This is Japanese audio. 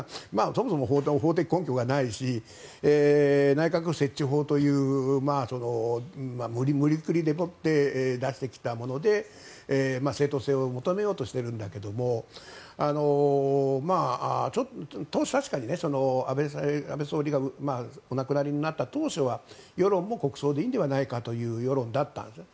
そもそも法的根拠がないし内閣設置法という無理くりでもって出してきたもので正当性を求めようとしているんだけども確かに安倍元総理がお亡くなりになった当初は世論も国葬でいいのではという世論だったんです。